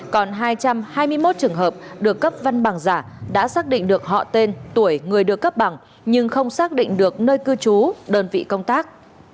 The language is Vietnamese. còn hai trăm hai mươi một trường hợp được cấp văn bằng giả đã xác định được họ tên tuổi người được cấp bằng nhưng không xác định được nơi cư trú đơn vị công tác